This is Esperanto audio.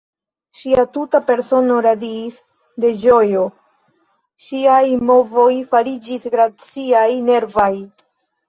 Ŝia tuta persono radiis de ĝojo; ŝiaj movoj fariĝis graciaj, nervaj.